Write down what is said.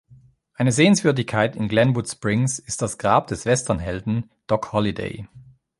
Eine Sehenswürdigkeit in Glenwood Springs ist das Grab des „Westernhelden“ Doc Holliday.